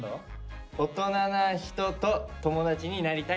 「大人な人と友達になりたい」。